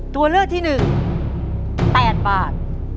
ตัวเลือกที่หนึ่ง๘บาท